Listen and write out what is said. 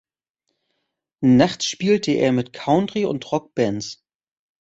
Nachts spielte er mit Country- und Rock-Bands.